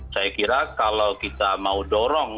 saya kira kalau kita mau dorong